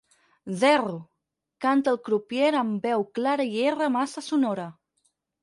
Zero —canta el crupier amb veu clara i erra massa sonora.